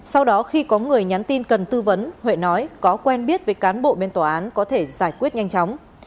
sau đó khi có người nhắn tin cần tư vấn huệ nói có quen biết với cán bộ bên tòa án có thể giải quyết nhanh chóng